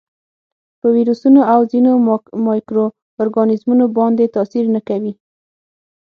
په ویروسونو او ځینو مایکرو ارګانیزمونو باندې تاثیر نه کوي.